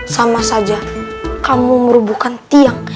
sama saja kamu merubuhkan tiang